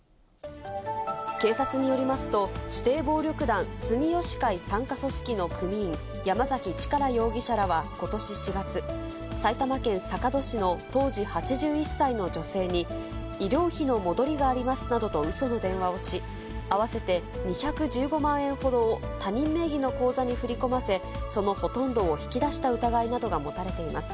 警察によりますと、指定暴力団住吉会傘下組織の組員、山崎力容疑者らはことし４月、埼玉県坂戸市の当時８１歳の女性に、医療費の戻りがありますなどとうその電話をし、合わせて２１５万円ほどを他人名義の口座に振り込ませ、そのほとんどを引き出した疑いなどが持たれています。